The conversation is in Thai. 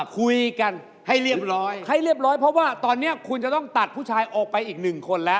คุยกันให้เรียบร้อยให้เรียบร้อยเพราะว่าตอนนี้คุณจะต้องตัดผู้ชายออกไปอีกหนึ่งคนแล้ว